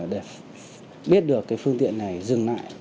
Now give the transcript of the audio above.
để biết được cái phương tiện này dừng lại